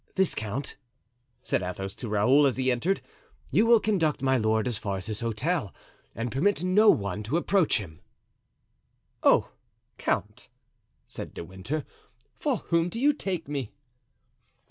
"Viscount," said Athos to Raoul, as he entered, "you will conduct my lord as far as his hotel and permit no one to approach him." "Oh! count," said De Winter, "for whom do you take me?"